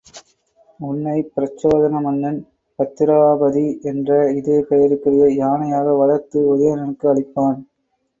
உன்னைப் பிரச்சோதன மன்னன் பத்திராபதி என்ற இதே பெயருக்குரிய யானையாக வளர்த்து உதயணனுக்கு அளிப்பான்.